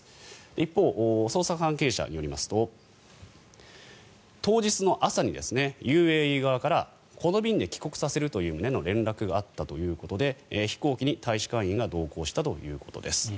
一方、捜査関係者によりますと当日の朝にＵＡＥ側からこの便で帰国させるという旨の連絡があったということで飛行機に大使館員が同行したということです。